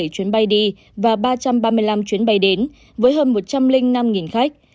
ba trăm ba mươi bảy chuyến bay đi và ba trăm ba mươi năm chuyến bay đến với hơn một trăm linh năm khách